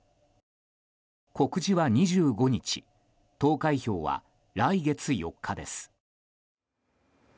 告示は２５日投開票は来月４日です。